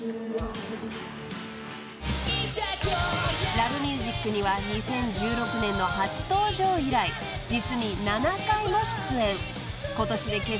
［『Ｌｏｖｅｍｕｓｉｃ』には２０１６年の初登場以来実に７回も出演］